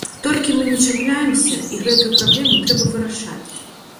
Толькі мы не чапляемся, і гэтую праблему трэба вырашаць.